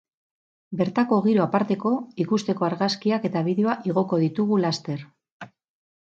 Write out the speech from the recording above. Bertako giro aparteko ikusteko argazkiak eta bideoa igoko ditugu laster.